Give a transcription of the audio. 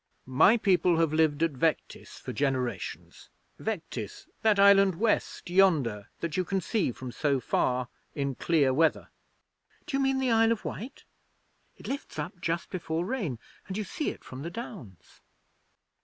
My people have lived at Vectis for generations. Vectis that island West yonder that you can see from so far in clear weather.' 'Do you mean the Isle of Wight? It lifts up just before rain, and you see it from the Downs.'